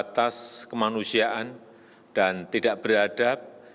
pertama saya ingin mengucapkan terima kasih kepada pak ridwan habib